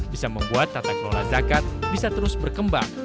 bisa membuat tata kelola zakat bisa terus berkembang